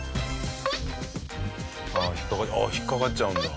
ああ引っかかっちゃうんだ。